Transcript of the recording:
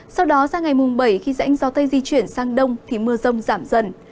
sau đó sang ngày mùng bảy khi rãnh gió tây di chuyển sang đông thì mưa rông giảm dần